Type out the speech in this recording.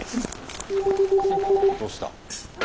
☎どうした？